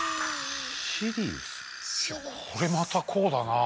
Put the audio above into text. これまたこうだなあ。